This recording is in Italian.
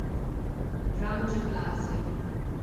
Franjo Glaser